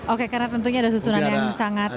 oke karena tentunya ada susunan yang sangat